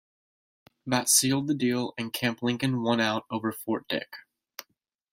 That sealed the deal and Camp Lincoln won out over Fort Dick.